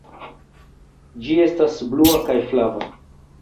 Ĝi estas blua kaj flava.